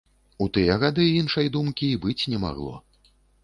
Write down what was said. У тыя гады іншай думкі і быць не магло.